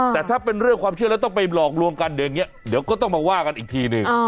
แต่ถ้าเป็นเรื่องความเชื่อแล้วต้องไปหลอกลวงกันเดี๋ยวอย่างนี้เดี๋ยวก็ต้องมาว่ากันอีกทีหนึ่ง